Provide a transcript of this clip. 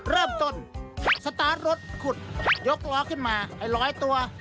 เริ่มต้นสตาร์ทรถขุดยกล้อขึ้นมาไอ้ร้อยตัว